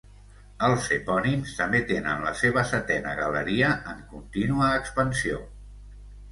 Els epònims també tenen la seva setena galeria, en continua expansió.